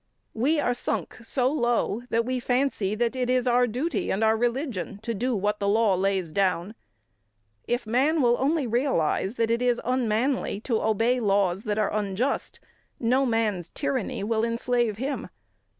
We are sunk so low, that we fancy that it is our duty and our religion to do what the law lays down. If man will only realise that it is unmanly to obey laws that are unjust, no man's tyranny will enslave him.